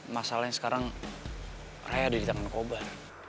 masalahnya sekarang raya ada di tangan korban